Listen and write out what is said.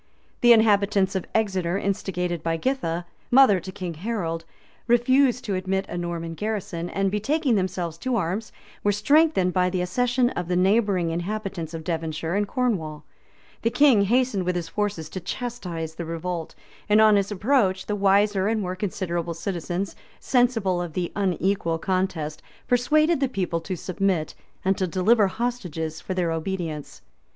The inhabitants of Exeter, instigated by Githa, mother to King Harold, refused to admit a Norman garrison, and, betaking themselves to arms, were strengthened by the accession of the neighboring inhabitants of Devonshire and Cornwall.[*] The king hastened with his forces to chastise the revolt; and on his approach, the wiser and more considerable citizens, sensible of the unequal contest, persuaded the people to submit, and to deliver hostages for their obedience.